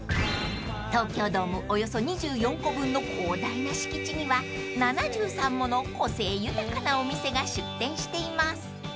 ［東京ドームおよそ２４個分の広大な敷地には７３もの個性豊かなお店が出店しています］